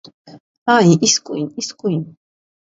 - Ա՜յ, իսկույն, իսկույն…